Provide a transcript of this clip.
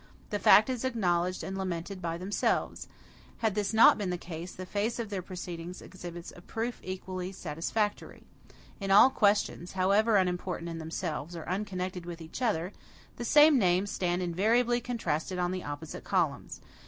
The fact is acknowledged and lamented by themselves. Had this not been the case, the face of their proceedings exhibits a proof equally satisfactory. In all questions, however unimportant in themselves, or unconnected with each other, the same names stand invariably contrasted on the opposite columns.